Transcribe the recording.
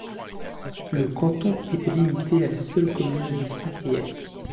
Le canton était limité à la seule commune de Saint-Priest.